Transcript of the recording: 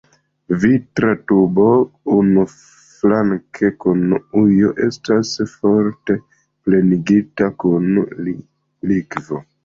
Vitra tubo unuflanke kun ujo estas parte plenigita kun likvo.